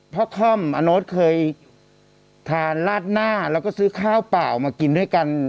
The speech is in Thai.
ค่อมอโน๊ตเคยทานลาดหน้าแล้วก็ซื้อข้าวเปล่ามากินด้วยกัน